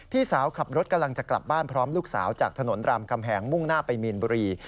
พี่สาวขับรถกำลังจะกลับบ้านพร้อมลูกสาวจากถนนรามคำแหงมุ่งหน้าไปมีนบุรี